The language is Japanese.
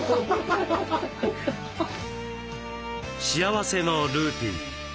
「幸せのルーティン」